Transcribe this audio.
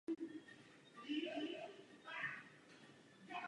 Především se jedná o typy měst nebo států.